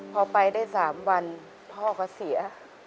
พอไปได้๓วันพ่อก็เสีย